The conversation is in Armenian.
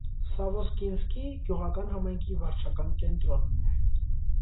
Սավոսկինսկի գյուղական համայնքի վարչական կենտրոնն է։